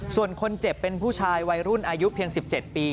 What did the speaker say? ส่วนคนเจ็บเป็นผู้ชายวัยรุ่นอายุเพียง๑๗ปี